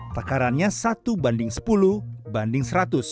takarannya satu banding sepuluh banding seratus